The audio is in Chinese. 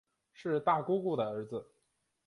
是大姑姑的儿子